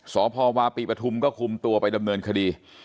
สพวาปีปฐุมก็คุมตัวไปดำเนินคดี